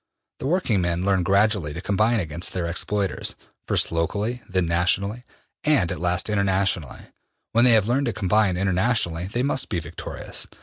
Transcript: The working men learn gradually to combine against their exploiters, first locally, then nationally, and at last internationally. When they have learned to combine internationally they must be victorious.